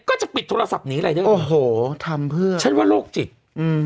ก็จะปิดโทรศัพท์หนีอะไรด้วยโอ้โหทำเพื่อฉันว่าโรคจิตอืม